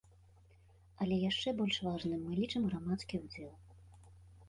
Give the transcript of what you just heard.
Але яшчэ больш важным мы лічым грамадскі ўдзел.